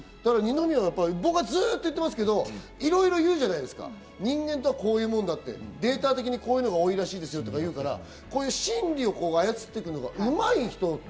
僕はずっと言ってますけど、いろいろ言うじゃないですか、人間とはこういうものだって、データ的にこういうのが多いらしいですよとか言うから、こういう心理を操っていくのが二宮はうまい人だと。